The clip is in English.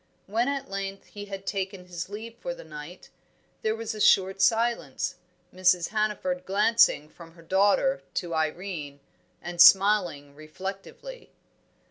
When at length he had taken his leave for the night, there was a short silence, Mrs. Hannaford glancing from her daughter to Irene, and smiling reflectively.